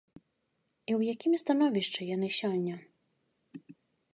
І ў якім становішчы яны сёння?